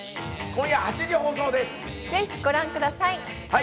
今夜８時放送ぜひご覧ください。